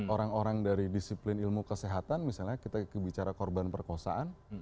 orang orang dari disiplin ilmu kesehatan misalnya kita bicara korban perkosaan